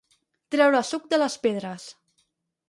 Treure suc de les pedres.